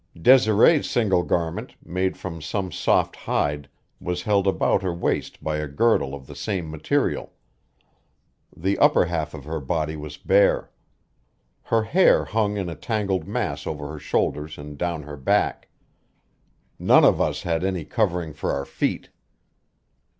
Desiree's single garment, made from some soft hide, was held about her waist by a girdle of the same material. The upper half of her body was bare. Her hair hung in a tangled mass over her shoulders and down her back. None of us had any covering for our feet.